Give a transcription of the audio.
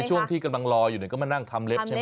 ช่วงที่กำลังรออยู่ก็มานั่งทำเล็บใช่ไหม